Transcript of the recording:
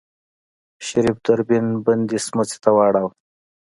شريف دوربين بندې سمڅې ته واړوه.